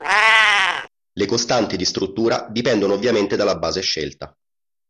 Le costanti di struttura dipendono ovviamente dalla base scelta.